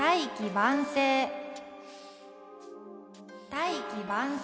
「大器晩成」。